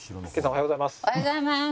おはようございます。